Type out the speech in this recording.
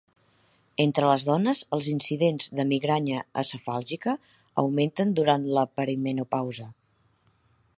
Entre les dones, els incidents de migranya acefàlgica augmenten durant la perimenopausa.